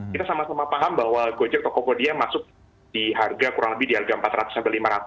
kita sama sama paham bahwa gojek tokopedia masuk di harga kurang lebih di harga rp empat ratus sampai lima ratus